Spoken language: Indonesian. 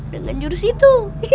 dengan jurus itu